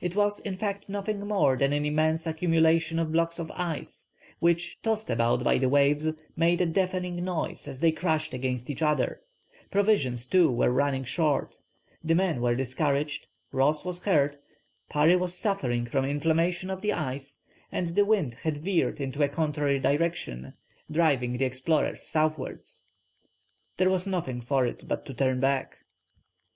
It was in fact nothing more than an immense accumulation of blocks of ice, which, tossed about by the waves, made a deafening noise as they crashed against each other; provisions too were running short, the men were discouraged, Ross was hurt, Parry was suffering from inflammation of the eyes, and the wind had veered into a contrary direction, driving the explorers southwards. There was nothing for it but to turn back.